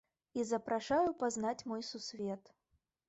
І запрашаю пазнаць мой сусвет!